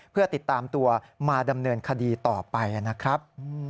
เพื่อติดตามตัวมาดำเนินคดีต่อไปนะครับ